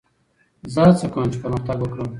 زه هڅه کوم، چي پرمختګ وکړم.